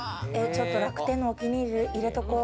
楽天のお気に入り、入れておこう。